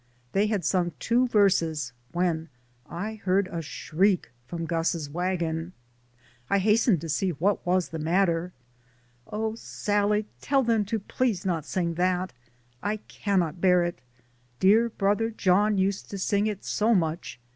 They had sung two verses when I heard a shriek from Gus's wagon. I has tened to see what was the matter. "Oh, Sal lie, tell them to please not sing that, I can not bear it. Dear Brother John used to sing it so much.